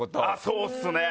そうですね。